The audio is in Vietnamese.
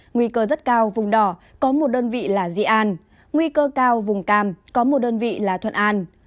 nguy cơ rất cao vùng đỏ có một đơn vị là di an nguy cơ cao vùng cam có một đơn vị là thuận an